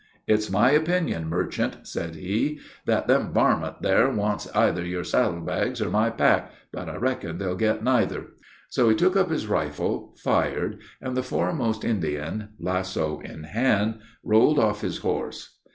"It's my opinion, merchant," said he, "that them varmint there wants either your saddle bags or my pack, but I reckon they'll get neither." So he took up his rifle, fired, and the foremost Indian, lasso in hand, rolled off his horse.